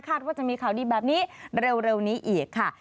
ว่าจะมีข่าวดีแบบนี้เร็วนี้อีกค่ะ